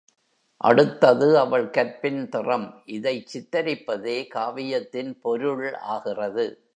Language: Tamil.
அடுத்தது அவள் கற்பின் திறம் இதைச் சித்திரிப்பதே காவியத்தின் பொருள் ஆகிறது.